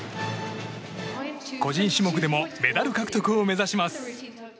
個人種目でもメダル獲得を目指します。